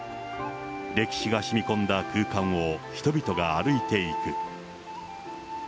歴史がしみこんだ空間を人々が歩いていく。